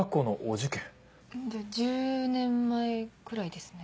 じゃあ１０年前くらいですね。